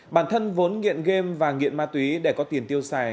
bản thân vốn nghiện game và nghiện ma túy để có tiền tiêu xài